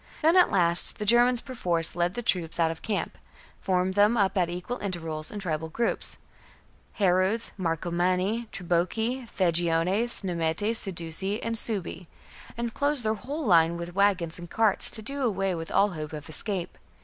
Then at last the Germans perforce led their troops out of camp, formed them up at equal intervals in tribal groups — Harudes, Marcomanni, Triboci, Vangiones, Nemetes, Sedusii, and Suebi — and closed their whole line with wagons and carts, to do away with all hope of escape.